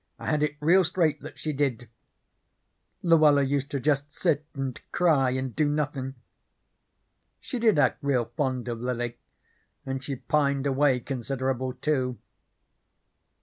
I had it real straight that she did. Luella used to just sit and cry and do nothin'. She did act real fond of Lily, and she pined away considerable, too.